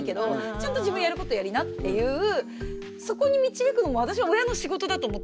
ちゃんと自分やることやりなっていうそこに導くのも私は親の仕事だと思ってるから。